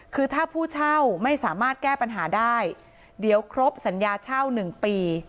คือถ้าผู้เช่าไม่สามารถแก้ปัญหาได้เดี๋ยวครบสัญญาเช่า๑ปี